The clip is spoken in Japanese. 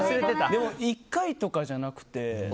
でも１回とかじゃなくて。